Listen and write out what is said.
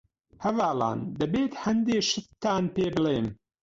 هەڤاڵان ، دەبێت هەندێ شتتان پێ بڵیم.